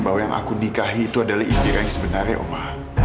bahwa yang aku nikahi itu adalah istri yang sebenarnya oma